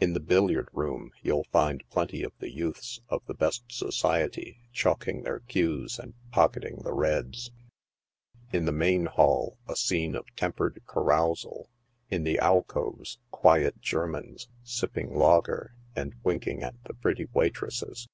In the billiard room you'll find plenty of the youths of the " best society" chalking their cues and pocket ing the " reds" ; in the main hall a scene of tempered carousal ; in the alcoves quiet Germans sipping lager and winking at the pretty waitresses.